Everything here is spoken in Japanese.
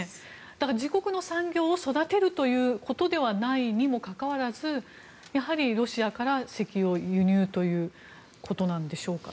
だから、自国の産業を育てるということではないにもかかわらずやはりロシアから石油を輸入ということなんでしょうか。